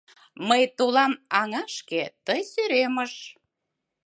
Мый толам аҥашке, тый сӧремыш